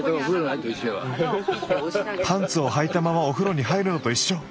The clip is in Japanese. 「パンツをはいたままお風呂に入るのと一緒」。